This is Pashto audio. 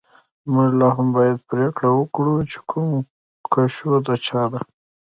موږ لاهم باید پریکړه وکړو چې کوم کشو د چا ده